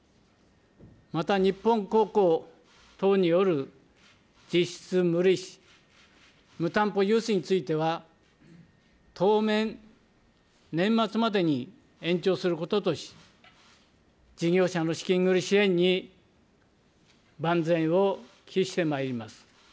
また日本公庫等による実質無利子無担保融資については、当面、年末までに延長することとし、事業者の資金繰り支援に、万全を期してまいります。